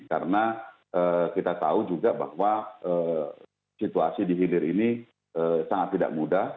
karena kita tahu juga bahwa situasi di hilir ini sangat tidak mudah